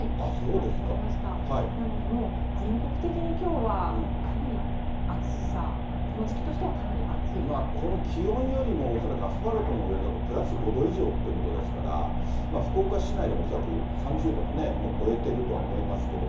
ですので全国的にきょうはかなり暑さ、ここの気温よりも恐らくアスファルトの上だとプラス５度以上ってことですから、福岡市内でも恐らく３０度はね、超えてるとは思いますけど。